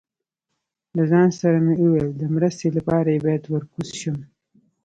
له ځان سره مې وویل، د مرستې لپاره یې باید ور کوز شم.